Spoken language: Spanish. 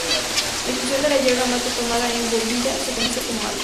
La infusión de la yerba mate tomada con bombilla se conoce como "mate".